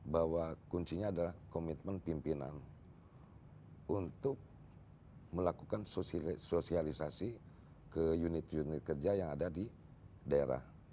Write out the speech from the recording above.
bahwa kuncinya adalah komitmen pimpinan untuk melakukan sosialisasi ke unit unit kerja yang ada di daerah